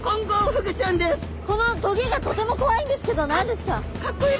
このトゲがとてもこわいんですけど何ですか？